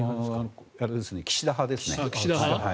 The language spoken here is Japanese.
岸田派ですね。